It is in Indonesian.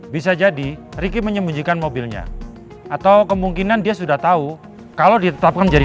bisa jadi riki menyembunyikan mobilnya atau kemungkinan dia sudah tahu kalau ditetapkan menjadi